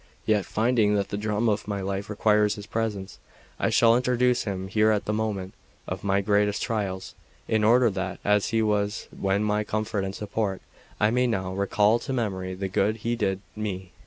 Yet, finding that the drama of my life requires his presence, I shall introduce him here at the moment of my greatest trials, in order that, as he was then my comfort and support, I may now recall to memory the good he did me.